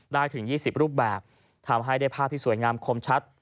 ถึง๒๐รูปแบบทำให้ได้ภาพที่สวยงามคมชัด